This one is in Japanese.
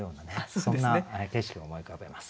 そんな景色を思い浮かべます。